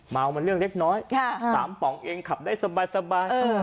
เมามันเรื่องเล็กน้อย๓ป๋องเองขับได้สบาย